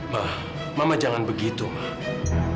ma mama jangan begitu ma